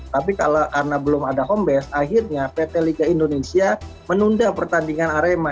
tapi karena belum ada home base akhirnya pt liga indonesia menunda pertandingan arema